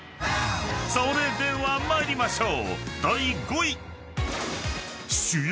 ［それでは参りましょう］